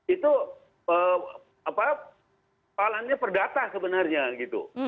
itu apa soalnya perdata sebenarnya gitu